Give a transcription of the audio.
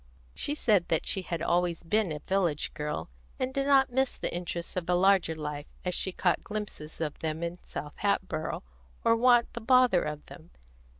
She said that she had always been a village girl, and did not miss the interests of a larger life, as she caught glimpses of them in South Hatboro', or want the bother of them.